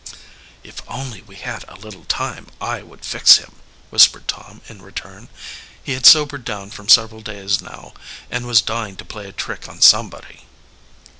"If only we had a little time I would fix him," whispered Tom in return. He had sobered down for several days now and was dying to play a trick on somebody.